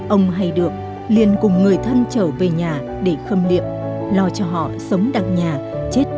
ông hay được liên cùng người thân trở về nhà để khâm liệm lo cho họ sống đặng nhà chết đặng mổ trù toàn như người thân